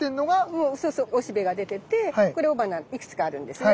もうそうそう雄しべ出ててこれ雄花いくつかあるんですね。